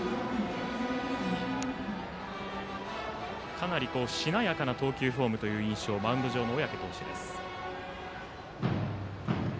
かなりしなやかな投球フォームという印象のマウンド上の小宅投手です。